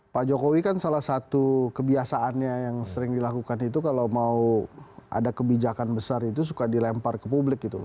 pak jokowi kan salah satu kebiasaannya yang sering dilakukan itu kalau mau ada kebijakan besar itu suka dilempar ke publik gitu